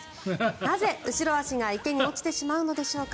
なぜ、後ろ足が池に落ちてしまうのでしょうか。